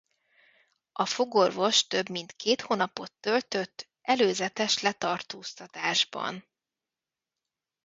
A fogorvos több mint két hónapot töltött előzetes letartóztatásban.